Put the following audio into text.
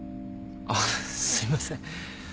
あっすいません。